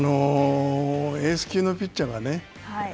エース級のピッチャーがね